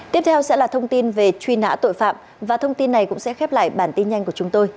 tiếp theo sẽ là thông tin về truy nã tội phạm và thông tin này cũng sẽ khép lại bản tin nhanh của chúng tôi